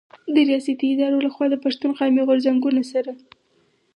د رياستي ادارو له خوا د پښتون قامي غرځنګونو سره